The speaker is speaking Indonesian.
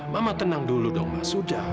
mama tenang dulu dong mas sudah